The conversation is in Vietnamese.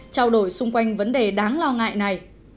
trao đổi xung quanh vấn đề đáng lo ngại này